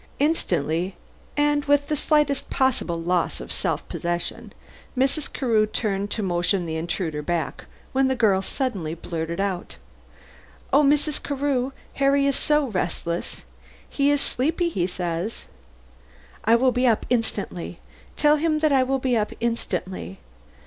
Instantly and with the slightest possible loss of self possession Mrs. Carew turned to motion the intruder back, when the girl suddenly blurted out: "Oh, Mrs. Carew, Harry is so restless. He is sleepy, he says." "I will be up instantly. Tell him that I will be up instantly."